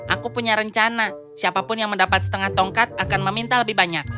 aku punya rencana siapapun yang mendapat setengah tongkat akan meminta lebih banyak